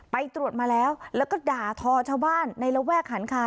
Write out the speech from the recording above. ไปตรวจมาแล้วแล้วก็ด่าทอชาวบ้านในระแวกหันคา